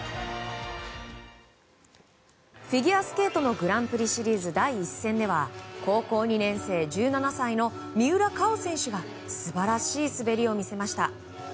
フィギュアスケートのグランプリシリーズ第１戦では高校２年生１７歳の三浦佳生選手が素晴らしい滑りを見せました。